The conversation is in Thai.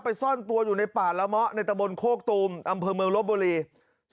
ซ่อนตัวอยู่ในป่าละเมาะในตะบนโคกตูมอำเภอเมืองลบบุรี